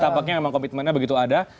tampaknya memang komitmennya begitu ada